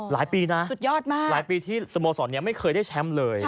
หลายปีนะสุดยอดมากใช่ค่ะหลายปีที่สโมสรยังไม่เคยได้แชมป์เลย